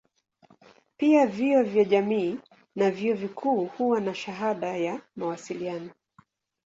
Pia vyuo vya jamii na vyuo vikuu huwa na shahada ya mawasiliano.